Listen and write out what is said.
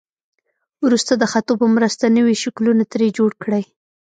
وروسته د خطو په مرسته نوي شکلونه ترې جوړ کړئ.